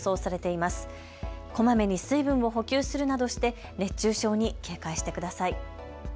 こまめに水分を補給するなどして熱中症に警戒してください。